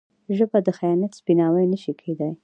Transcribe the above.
ژبه د خیانت سپیناوی نه شي کېدای.